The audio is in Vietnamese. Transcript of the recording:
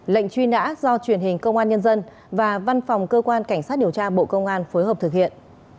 lệnh truy nã do truyền hình công an nhân dân và văn phòng cơ quan cảnh sát điều tra bộ công an phối hợp thực hiện